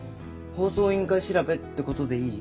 放送委員会調べってことでいい？